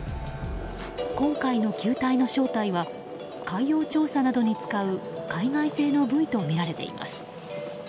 今回の球体の正体は海洋調査などに使う海外製のブイとみられています。